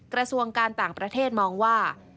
กระทรวงการต่างประเทศมองว่า